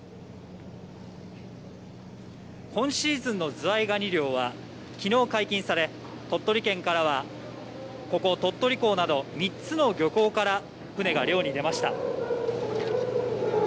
今シーズンのズワイガニ漁はきのう解禁され、鳥取県からは、ここ、鳥取港など３つの漁港から船が漁に出ました。